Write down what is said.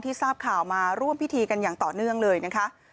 ทราบข่าวมาร่วมพิธีกันอย่างต่อเนื่องเลยนะคะ